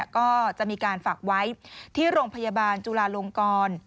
ก็จะมีการฝากไว้ที่โรงพยาบาลจุลาลงกร